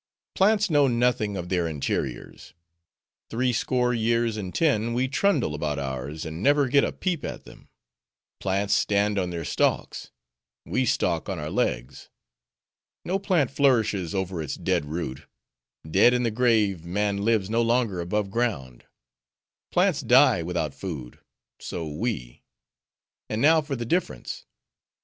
Plants know nothing of their interiors:—three score years and ten we trundle about ours, and never get a peep at them; plants stand on their stalks:—we stalk on our legs; no plant flourishes over its dead root:—dead in the grave, man lives no longer above ground; plants die without food:—so we. And now for the difference.